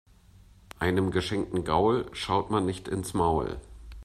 Einem geschenkten Gaul schaut man nicht ins Maul.